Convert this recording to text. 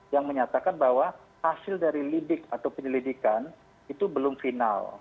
yang menyatakan bahwa hasil dari lidik atau penyelidikan itu belum final